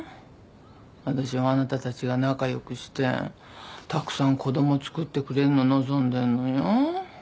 私はあなたたちが仲良くしてたくさん子供つくってくれんの望んでんのよ。